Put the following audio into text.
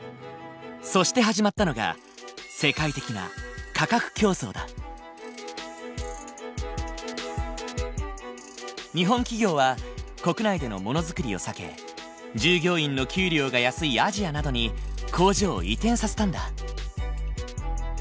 そして始まったのが世界的な日本企業は国内でのものづくりを避け従業員の給料が安いアジアなどに工場を移転させたんだ。